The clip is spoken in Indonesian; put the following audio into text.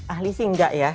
ahli sih enggak ya